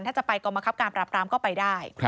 ถ้าจะไปกรมคับการปรับรามก็ไปได้